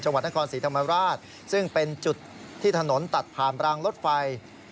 วัดนครศรีธรรมราชซึ่งเป็นจุดที่ถนนตัดผ่านรางรถไฟ